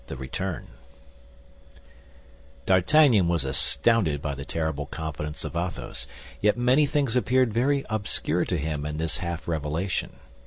THE RETURN D'Artagnan was astounded by the terrible confidence of Athos; yet many things appeared very obscure to him in this half revelation.